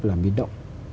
là miệt động